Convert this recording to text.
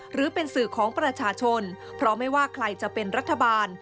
หรือเป็นสื่อของประชาชนเพราะไม่ว่าใครจะเป็นรัฐบาล